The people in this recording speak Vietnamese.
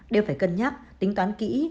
đều phải cân nhắc tính toán kỹ